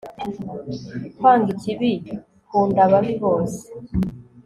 Kwanga ikibi kunda ababi bose